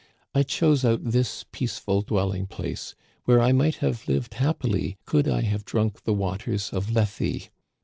I chose out this peaceful dwelling place, where I might have lived happily could I have drunk the waters of Lethe.